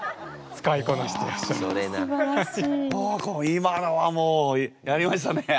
今のはもうやりましたね。